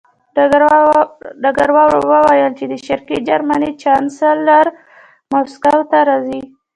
ډګروال وویل چې د شرقي جرمني چانسلر مسکو ته راځي